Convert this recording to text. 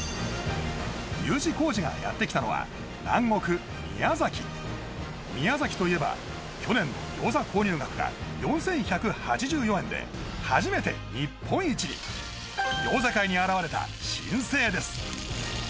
Ｕ字工事がやってきたのは南国宮崎宮崎といえば去年の餃子購入額が４１８４円で初めて日本一に餃子界に現れた新星です